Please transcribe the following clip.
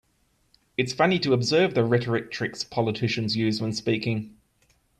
It's funny to observe the rhetoric tricks politicians use when speaking.